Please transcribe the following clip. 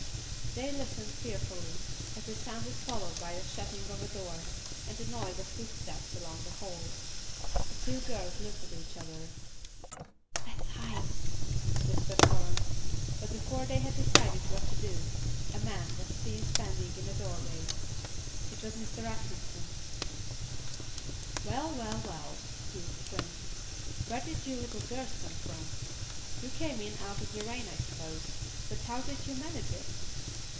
They listened fearfully, as the sound was followed by the shutting of a door, and the noise of footsteps along the hall. The two girls looked at each other. "Let's hide," whispered Florence, but before they had decided what to do, a man was seen standing in the doorway. It was Mr. Atkinson. "Well, well, well," he exclaimed, "where did you little girls come from? You came in out of the rain, I suppose, but how did you manage it?